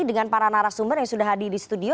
dengan para narasumber yang sudah hadir di studio